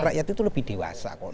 rakyat itu lebih dewasa kok